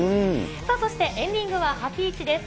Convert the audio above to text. さあ、そしてエンディングはハピイチです。